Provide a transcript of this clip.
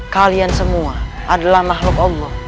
kalian semua adalah makhluk allah